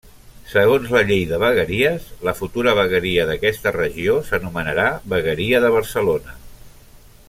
Segons la Llei de vegueries, la futura vegueria d'aquesta regió s'anomenarà vegueria de Barcelona.